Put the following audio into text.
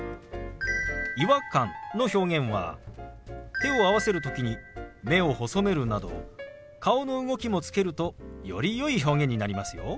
「違和感」の表現は手を合わせる時に目を細めるなど顔の動きもつけるとよりよい表現になりますよ。